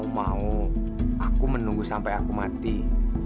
kayaknya orang nggak punya perasaan aja gue